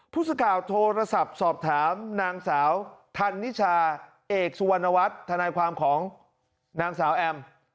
ผู้สื่อข่าวโทรศัพท์สอบถามนางสาวธันนิชาเอกสุวรรณวัฒน์ทนายความของนางสาวแอม